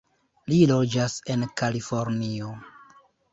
Li loĝas en Kalifornio.